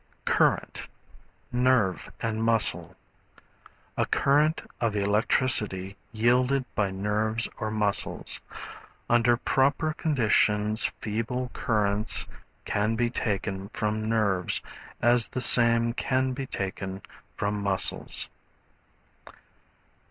Current, Nerve and Muscle. A current of electricity yielded by nerves or muscles. Under proper conditions feeble currents can be taken from nerves, as the same can be taken from muscles.